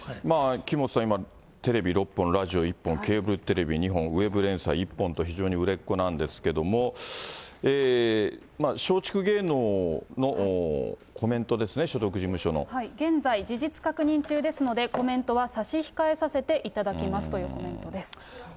木本さん、今、テレビ６本、ラジオ１本、ケーブルテレビ１本、ウェブ連載１本と、非常に売れっ子なんですけれども、松竹芸能の現在、事実確認中ですので、コメントは差し控えさせていただきますというコメントです。